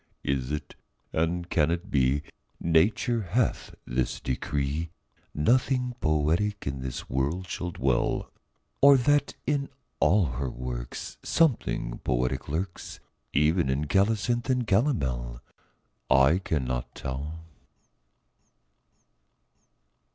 Is it, and can it be, Nature hath this decree, Nothing poetic in the world shall dwell? Or that in all her works Something poetic lurks, Even in colocynth and calomel? I cannot tell.